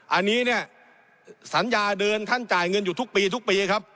อันนี้เนี่ยสัญญาเดินท่านจ่ายเงินอยู่ทุกปีทุกปีครับ